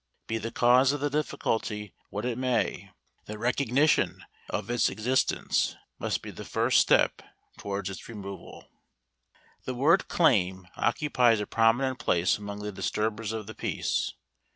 Be the cause of the difficulty what it may, the recognition of its existence must be the first step toward its removal. The word "claim" occupies a prominent place among the disturbers of the peace.